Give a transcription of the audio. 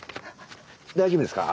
大丈夫ですか？